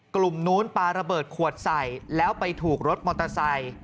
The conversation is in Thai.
กลุ่มนู้นปลาระเบิดขวดใส่แล้วไปถูกรถมอเตอร์ไซค์